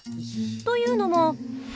というのも。